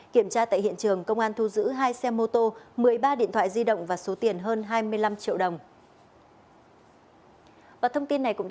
kiểm tra tại hiện trường công an thu giữ hai xe mô tô một mươi ba điện thoại di động và số tiền hơn hai mươi năm triệu đồng